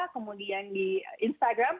kemudian di instagram